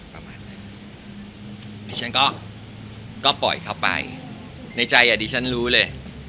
ฉันก็ปล่อยเขาไปในใจดิฉันรู้เลย